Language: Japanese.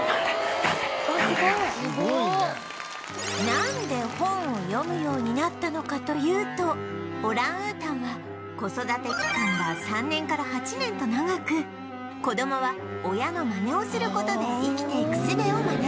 なんで本を読むようになったのかというとオランウータンは子育て期間が３年から８年と長く子供は親のマネをする事で生きていくすべを学ぶ